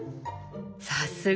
さすが！